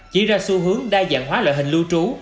chỉ ra xu hướng đa dạng hóa loại hình lưu trú